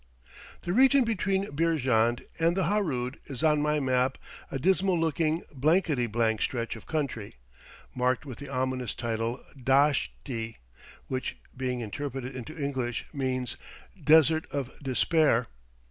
The region between Beerjand and the Harood is on my map a dismal looking, blankety blank stretch of country, marked with the ominous title "Dasht i" which, being interpreted into English, means Desert of Despair.